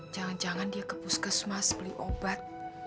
jangan jangan dia ke puskesmas beli obat